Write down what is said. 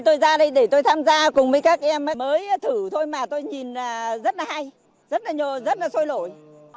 tôi ra đây để tôi tham gia cùng với các em mới thử thôi mà tôi nhìn rất là hay rất là sôi lỗi